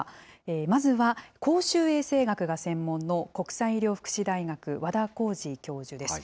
まずは公衆衛生学が専門の国際医療福祉大学、和田耕治教授です。